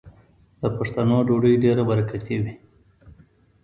د پښتنو ډوډۍ ډیره برکتي وي.